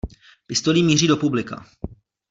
Pistolí míří do publika.